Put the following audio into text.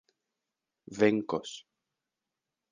venkos